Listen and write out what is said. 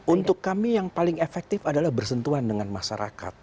untuk kami yang paling efektif adalah bersentuhan dengan masyarakat